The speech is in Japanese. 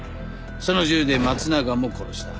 その銃で松永も殺した。